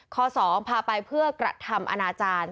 ข้อ๒พาไปเพื่อกระทำอนาจารย์